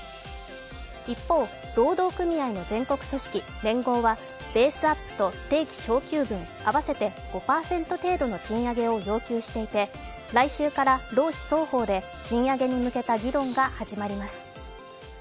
一方、労働組合の全国組織・連合はベースアップと定期昇給分合わせて５％程度の賃上げを要求していて来週から労使双方で賃上げに向けた議論が始まります。